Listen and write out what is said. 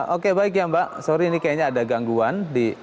oke baik ya mbak sorry ini kayaknya ada gangguan